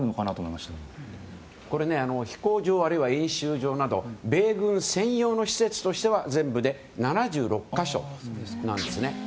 飛行場、あるいは演習場など米軍専用の施設としては全部で７６か所なんですね。